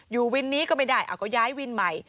อยู่วินนี้ก็ไม่ได้ก็ย้ายวินใหม่